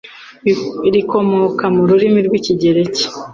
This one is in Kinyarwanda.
rikomoka mu rurimi rw'ikigereki